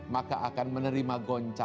maka akan menerima goncat